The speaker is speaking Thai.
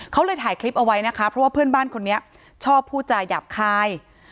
เขาเลยถ่ายคลิปเอาไว้นะคะเพราะว่าเพื่อนบ้านคนนี้ชอบพูดจาหยาบคาย